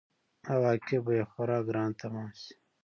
عواقب به یې خورا ګران تمام شي.